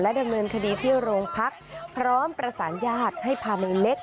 ดำเนินคดีที่โรงพักพร้อมประสานญาติให้พาในเล็ก